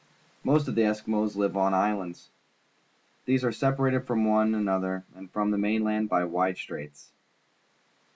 Most of the Eskimos live on islands. These are separated from one another and from the mainland by wide straits.